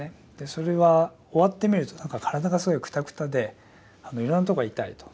それは終わってみるとなんか体がすごいくたくたでいろんなとこが痛いと。